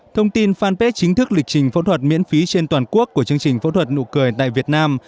thông tin fanpage chính thức lịch trình phẫu thuật miễn phí trên toàn quốc của chương trình phẫu thuật nụ cười tại việt nam